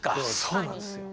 そうなんですよ。